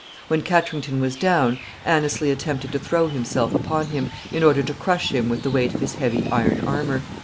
When Katrington was down, Anneslie attempted to throw himself upon him, in order to crush him with the weight of his heavy iron armor.